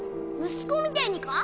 息子みてえにか？